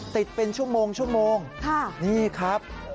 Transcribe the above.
ติดเป็นชั่วโมงนี่ครับ